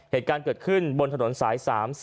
เหตุการณ์เกิดขึ้นบนถนนสาย๓๐